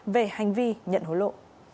về hành vi nhận hối lộ